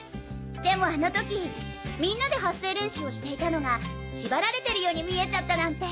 でもあの時みんなで発声練習をしていたのが縛られてるように見えちゃったなんて。